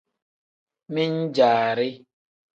Min-jaari.